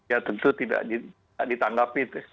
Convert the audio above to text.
ya tentu tidak ditanggapi